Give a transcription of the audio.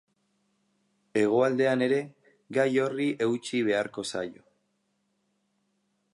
Hegoaldean ere gai horri eutsi beharko zaio.